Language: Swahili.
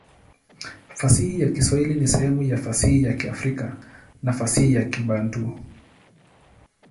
Fasihi ya Kiswahili ni sehemu ya fasihi ya Kiafrika na fasihi ya Kibantu.